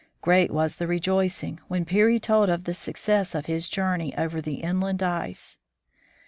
Great was the rejoicing when Peary told of the success of his journey over the inland ice.